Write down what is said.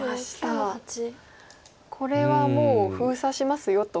これはもう封鎖しますよと。